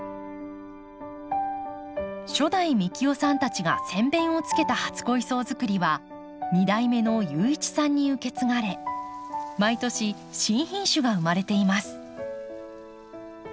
初代幹雄さんたちが先べんをつけた初恋草づくりは２代目の雄一さんに受け継がれ毎年新品種が生まれています。